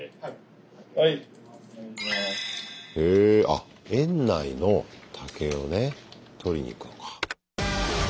あ園内の竹をね取りに行くのか。